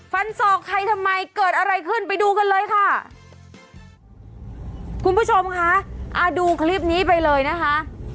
ศอกใครทำไมเกิดอะไรขึ้นไปดูกันเลยค่ะคุณผู้ชมค่ะอ่าดูคลิปนี้ไปเลยนะคะ